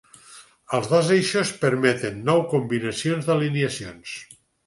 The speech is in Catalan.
Els dos eixos permeten nou combinacions d'alineacions.